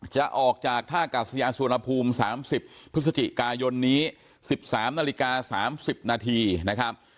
จะออกจากท่ากัสยานสวนภูมิสามสิบพฤศจิกายนนี้สิบสามนาฬิกาสามสิบนาทีนะครับ